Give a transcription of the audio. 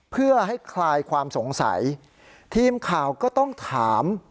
เพื่อให้คลายความสงสัยทีมข่าวก็ต้องถาม